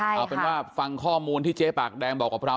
เอาเป็นว่าฟังข้อมูลที่เจ๊ปากแดงบอกกับเรา